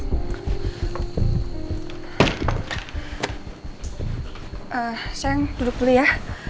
eh sayang duduk dulu ya